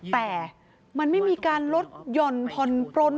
แต่มันไม่มีการลดย่อนพลปรน